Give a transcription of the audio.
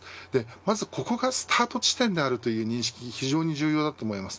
まず、ここがスタート地点であるという認識が非常に重要だと思います。